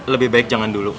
lebih baik jangan dulu